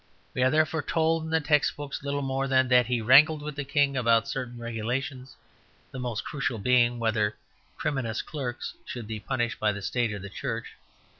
We are therefore told in the text books little more than that he wrangled with the King about certain regulations; the most crucial being whether "criminous clerks" should be punished by the State or the Church.